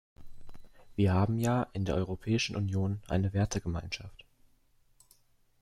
Wir haben ja in der Europäischen Union eine Wertegemeinschaft.